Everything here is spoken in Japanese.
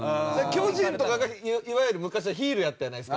巨人とかがいわゆる昔はヒールやったやないですか。